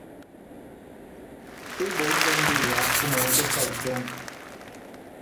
Ebɔhingé ó mbéla ómahɔ́to kahote tɔ́ngɔ